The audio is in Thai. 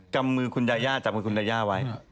ำมือคุณยาย่าจับมือคุณยาย่าไว้